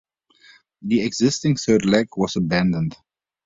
The existing third leg was abandoned.